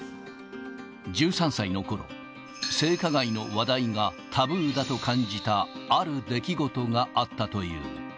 １３歳のころ、性加害の話題がタブーだと感じたある出来事があったという。